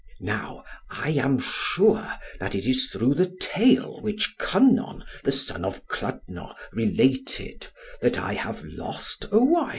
Now I am sure, that it is through the tale which Kynon the son of Clydno related, that I have lost Owain."